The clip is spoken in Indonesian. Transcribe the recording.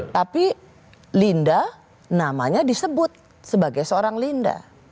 tapi linda namanya disebut sebagai seorang linda